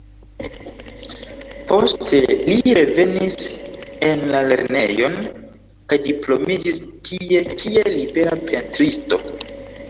Poste li revenis en la Lernejon kaj diplomiĝis tie kiel libera pentristo.